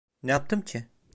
Ne yaptım ki?